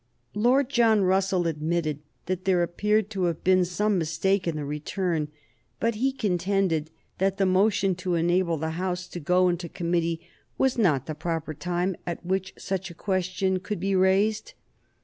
Lord John Russell admitted that there appeared to have been some mistake in the return, but he contended that the motion to enable the House to go into committee was not the proper time at which such a question could be raised.